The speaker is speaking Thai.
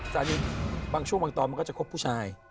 สามีบางช่วงบางตอนมันก็จะครบผู้ชาย